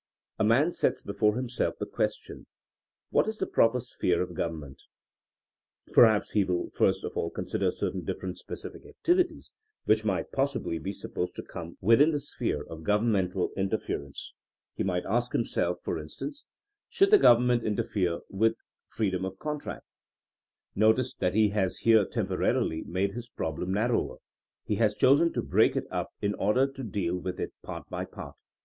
A man sets before himself the question, What is the proper sphere of Government T' .Perhaps he will first of all consider certain dif ferent specific activities which might possibly be supposed to come within the sphere of gov ernmental interference. He might ask himself, for instance, Should the Government interfere with freedom of contract?'' Notice that he has 46 THINEINO AS A SCIENCE here temporarily made his problem narrower, he has chosen to break it up in order to deal with it part by part.